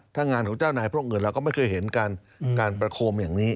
ถ้างานของเจ้านายพวกเงินเราก็ไม่เคยเห็นการประโคมอย่างนี้